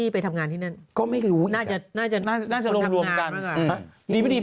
ไปกันหมด